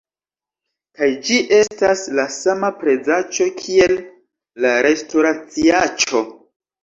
kaj ĝi estas la sama prezaĉo kiel la restoraciaĉo!